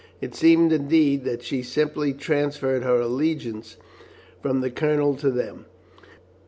It seemed, indeed, that she simply transferred her allegiance from the Colonel to them.